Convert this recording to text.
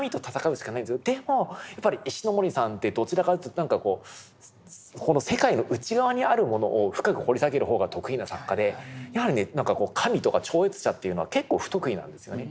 でもやっぱり石森さんってどちらかと言うと何かこうこの世界の内側にあるものを深く掘り下げる方が得意な作家でやはりね神とか超越者というのは結構不得意なんですよね。